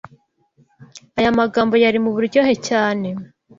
Ayo magambo yari muburyohe cyane.